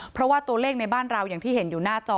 เพราะว่าตัวเลขในบ้านเราอย่างที่เห็นอยู่หน้าจอ